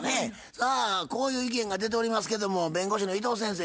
さあこういう意見が出ておりますけども弁護士の伊藤先生